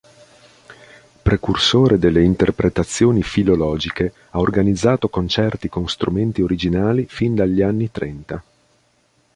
Precursore delle interpretazioni filologiche, ha organizzato concerti con strumenti originali fin dagli anni trenta.